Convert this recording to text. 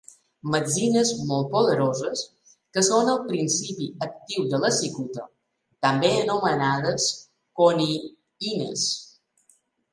Metzines molt poderoses que són el principi actiu de la cicuta, també anomenades coniïnes.